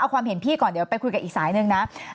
ความเห็นพี่ก่อนเดี๋ยวไปคุยกับอีกสายหนึ่งนะ